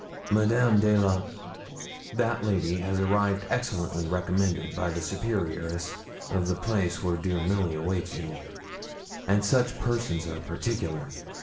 Madame de la that lady has arrived excellently recommended by the superioress of the place where dear Milly awaits you, and such persons are particular.